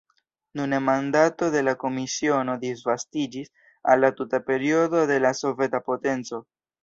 Nune mandato de la komisiono disvastiĝis al la tuta periodo de la soveta potenco.